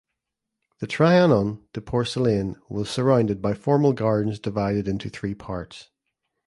The Trianon de Porcelaine was surrounded by formal gardens divided into three parts.